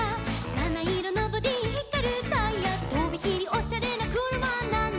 「なないろのボディひかるタイヤ」「とびきりオシャレなくるまなんだ」